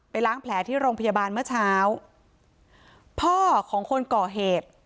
ล้างแผลที่โรงพยาบาลเมื่อเช้าพ่อของคนก่อเหตุ